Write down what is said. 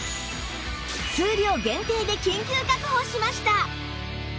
数量限定で緊急確保しました！